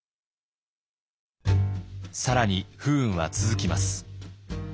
更に不運は続きます。